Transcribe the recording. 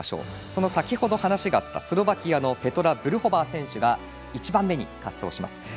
先ほど話があったスロバキアのペトラ・ブルホバー選手が１番目に滑走します。